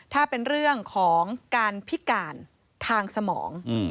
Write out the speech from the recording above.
ถ้าเป็นเรื่องของการพิการทางสมอง